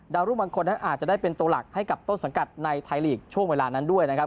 รูปบางคนนั้นอาจจะได้เป็นตัวหลักให้กับต้นสังกัดในไทยลีกช่วงเวลานั้นด้วยนะครับ